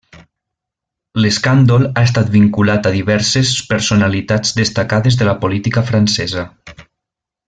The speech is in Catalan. L'escàndol ha estat vinculat a diverses personalitats destacades de la política francesa.